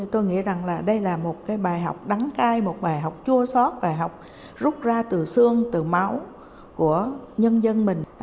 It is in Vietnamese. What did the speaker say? tôi nghĩ rằng đây là một bài học đắng cay một bài học chua sót bài học rút ra từ xương từ máu của nhân dân mình